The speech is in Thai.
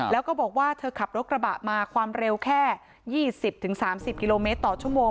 แล้วก็บอกว่าเธอขับรถกระบะมาความเร็วแค่๒๐๓๐กิโลเมตรต่อชั่วโมง